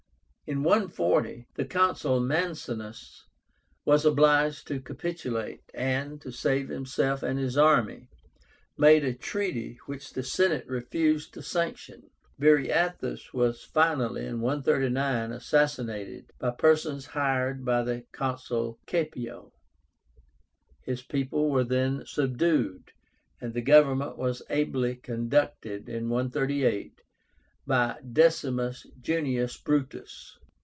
In 140, the Consul Mancínus was obliged to capitulate, and, to save himself and his army, made a treaty which the Senate refused to sanction. Viriáthus was finally (139) assassinated by persons hired by the Consul Caepio; his people were then subdued, and the government was ably conducted (138) by DECIMUS JUNIUS BRUTUS.